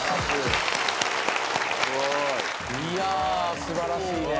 いや素晴らしいね。